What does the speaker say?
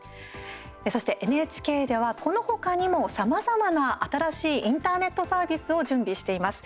そしてＮＨＫではこのほかにも、さまざまな新しいインターネットサービスを準備しています。